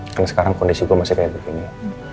kan sekarang kondisi gue masih kayak begini